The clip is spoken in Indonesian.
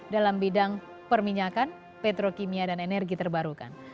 dalam bidang perminyakan petrokimia dan energi terbarukan